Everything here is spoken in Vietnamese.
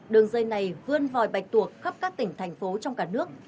đường dây này vươn vòi bạch tuộc khắp các tỉnh thành phố trong cả nước